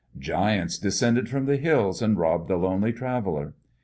Giants descended from the hills and robbed the lonely traveler.